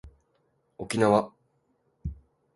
沖縄